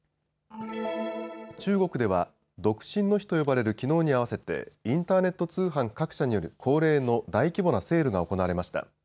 中国では独身の日と呼ばれるきのうに合わせて、インターネット通販各社による恒例の大規模なセールが行われました。